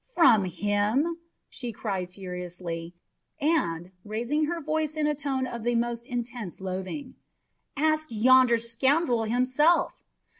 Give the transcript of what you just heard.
"From him?" she cried furiously, and, raising her voice in a tone of the most intense loathing: "Ask yonder scoundrel himself!